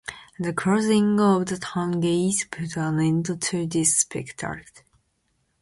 The closing of the town gates put an end to this spectacle.